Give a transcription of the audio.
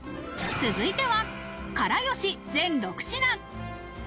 続いては、から好し全６品。